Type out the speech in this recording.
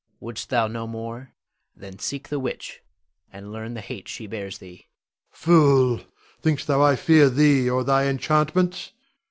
Wouldst thou know more, then seek the witch, and learn the hate she bears thee. Rod. Fool! thinkst thou I fear thee or thy enchantments?